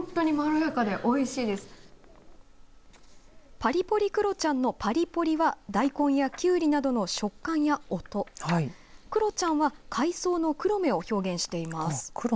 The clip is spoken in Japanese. パリポリくろちゃんのパリポリは大根やきゅうりなどの食感や音くろちゃんは海藻のくろめを表現しています。